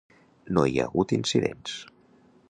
No hi ha hagut incidents.